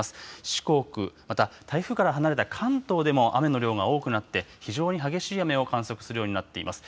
四国、また台風から離れた関東でも雨の量が多くなって、非常に激しい雨を観測するようになっています。